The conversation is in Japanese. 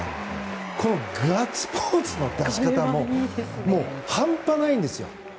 このガッツポーズの出し方ももう、半端ないんですよ。